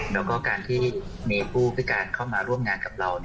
แล้วก็การที่มีผู้พิการเข้ามาร่วมงานกับเรา